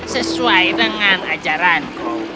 sesuai dengan ajaranku